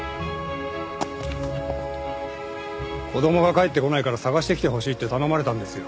子供が帰ってこないから捜してきてほしいって頼まれたんですよ。